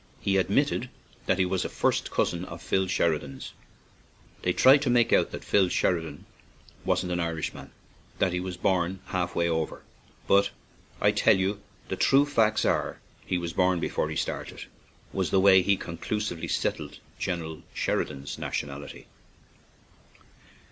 He admitted that he was a first cousin of Phil Sheridan's. "They try to make out that Phil wasn't an Irishman, that he was born half way over, but I tell you the true facts are that he was born before he started," was the way he conclusively settled General Sheridan's nationality.